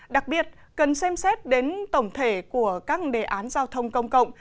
đặc biệt cần xem xét đến tổng thể của các đề án giao thông công cộng